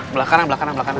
belakang belakang belakang